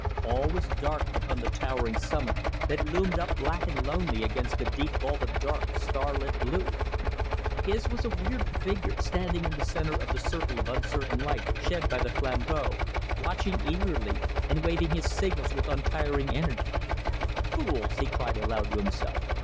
All was dark upon the towering summit, that loomed up black and lonely against the deep vault of dark, star lit blue. His was a weird figure, standing in the centre of the circle of uncertain light shed by the flambeau, watching eagerly, and waving his signals with untiring energy. "Fools!" he cried aloud to himself.